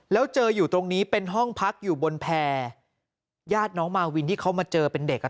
แล้วเจออยู่ตรงนี้เป็นห้องพักอยู่บนแพร่ญาติน้องมาวินที่เขามาเจอเป็นเด็กอ่ะ